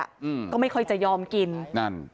อืมก็ไม่ค่อยจะยอมกินนั่น